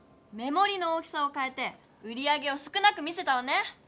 目もりの大きさをかえて売り上げを少なく見せたわね！